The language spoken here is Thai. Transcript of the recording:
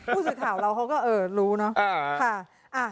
ผู้สื่อข่าวเราเขาก็รู้เนอะ